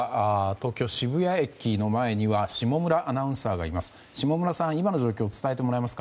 東京・渋谷駅の前には下村アナウンサーがいます。